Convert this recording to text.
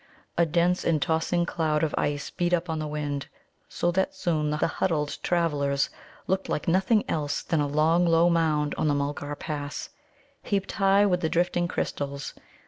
A dense and tossing cloud of ice beat up on the wind, so that soon the huddled travellers looked like nothing else than a long low mound on the Mulgar pass, heaped high with the drifting crystals.